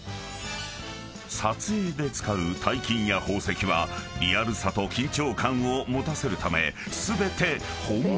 ［撮影で使う大金や宝石はリアルさと緊張感を持たせるため全て本物なんだとか］